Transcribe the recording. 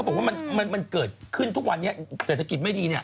ไปเขียนอะไรอีกแล้วเนี่ย